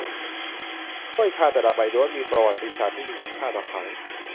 ถ้วยชาแต่ละใบล้วนมีประวัติศาสตร์ที่มีคุณค่าต่อเขา